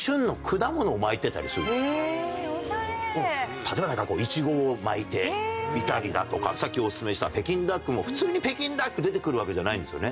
例えばなんかこうイチゴを巻いてみたりだとかさっきオススメした北京ダックも普通に北京ダック出てくるわけじゃないんですよね。